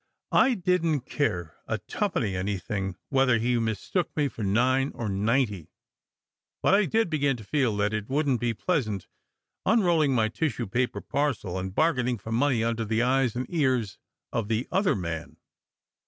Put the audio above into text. I didn t care a tuppenny any thing whether he mistook me for nine or ninety; but I did begin to feel that it wouldn t be pleasant unrolling my tis sue paper parcel and bargaining for money under the eyes and ears of the other man.